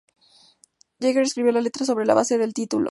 Jagger escribió la letra sobre la base de el título.